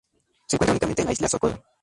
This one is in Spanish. Se encuentra únicamente en la isla Socorro.